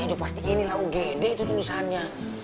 ini udah pasti ini lah ugd itu tulisannya